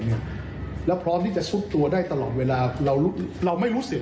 แล้วพร้อมที่จะซุดตัวได้ตลอดเวลาเราไม่รู้สึก